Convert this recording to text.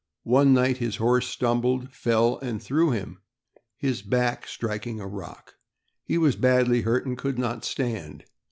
One night his horse stumbled, fell, and threw him, his back striking a rock. He was badly hurt, and could not stand.